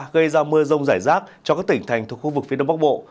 gây ra mưa rông rải rác cho các tỉnh thành thuộc khu vực phía đông bắc bộ